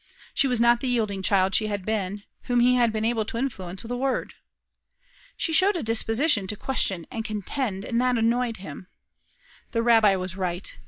She was not the yielding child she had been, whom he had been able to influence with a word. She showed a disposition to question and contend, that annoyed him. The rabbi was right.